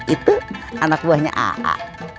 itu anak buahnya aa